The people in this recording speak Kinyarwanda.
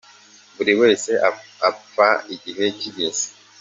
buriwese apha igihe cyigeze.